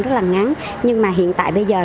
rất là ngắn nhưng mà hiện tại bây giờ